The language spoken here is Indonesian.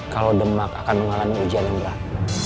kalau demak akan mengalami hujan yang berat